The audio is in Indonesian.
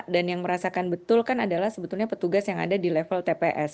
dan yang merasakan betul kan adalah sebetulnya petugas yang ada di level tps